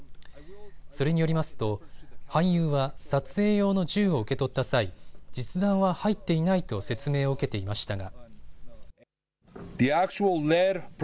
それによりますと俳優は撮影用の銃を受け取った際、実弾は入っていないと説明を受けていましたが。